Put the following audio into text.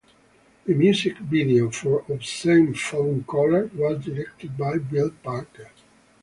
The music video for "Obscene Phone Caller" was directed by Bill Parker.